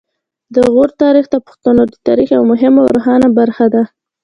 د غور تاریخ د پښتنو د تاریخ یوه مهمه او روښانه برخه ده